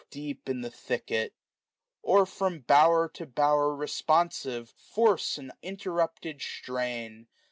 Deep in the thicket ; or, from bower to bower Responsive, force an interrujpted strain.